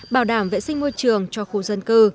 bảo đảm vệ sinh môi trường